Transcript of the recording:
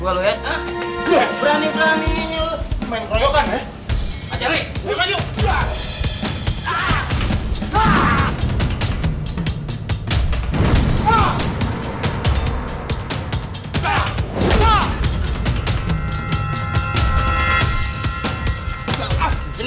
bos bos berani berani ya mampol bos gue luet berani berani main main